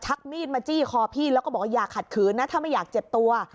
มีดมาจี้คอพี่แล้วก็บอกว่าอย่าขัดขืนนะถ้าไม่อยากเจ็บตัว